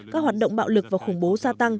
các hoạt động bạo lực và khủng bố gia tăng